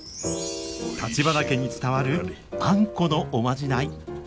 橘家に伝わるあんこのおまじない